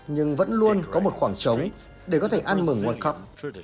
nhưng vẫn luôn có một khoảng trống để có thể ăn mừng world cup